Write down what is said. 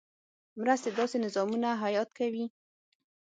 مرستې داسې نظامونه حیات کوي.